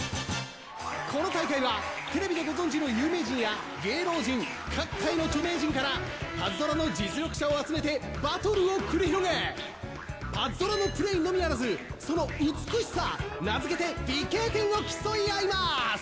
この大会はテレビでご存じの有名人や芸能人各界の著名人からパズドラの実力者を集めてバトルを繰り広げパズドラのプレイのみならずその美しさ名づけて美型点を競い合います！